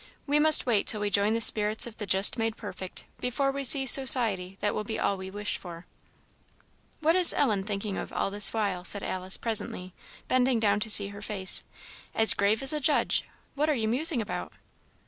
We must wait till we join the spirits of the just made perfect, before we see society that will be all we wish for." "What is Ellen thinking of all this while?" said Alice, presently, bending down to see her face. "As grave as a judge! what are you musing about?"